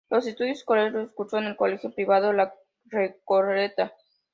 Los estudios escolares los cursó en el colegio privado La Recoleta.